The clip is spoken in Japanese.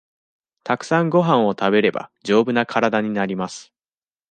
たくさんごはんを食べれば、丈夫な体になります。